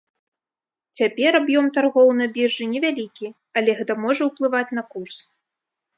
Цяпер аб'ём таргоў на біржы невялікі, але гэта можа ўплываць на курс.